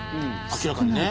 明らかにね。